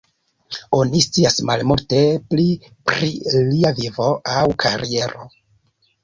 Oni scias malmulte pli pri lia vivo aŭ kariero.